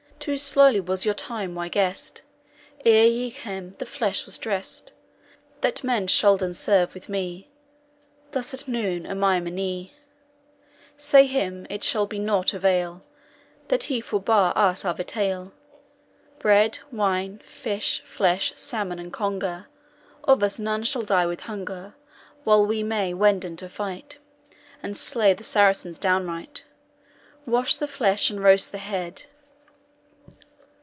Too slowly was your time y guessed; Ere ye came, the flesh was dressed, That men shoulden serve with me, Thus at noon, and my meynie. Say him, it shall him nought avail, Though he for bar us our vitail, Bread, wine, fish, flesh, salmon, and conger; Of us none shall die with hunger, While we may wenden to fight, And slay the Saracens downright, Wash the flesh, and roast the head.